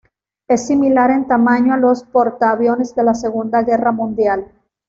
Es similar en tamaño a los portaaviones de la Segunda Guerra Mundial.